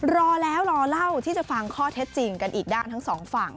รอแล้วรอเล่าที่จะฟังข้อเท็จจริงกันอีกด้านทั้งสองฝั่ง